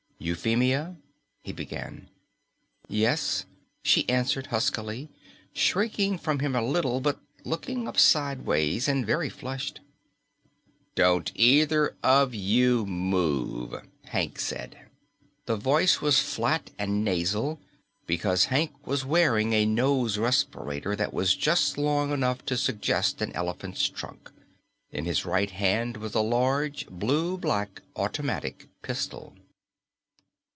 "Euphemia " he began. "Yes?" she answered huskily, shrinking from him a little, but looking up sideways, and very flushed. "Don't either of you move," Hank said. The voice was flat and nasal because Hank was wearing a nose respirator that was just long enough to suggest an elephant's trunk. In his right hand was a large blue black automatic pistol.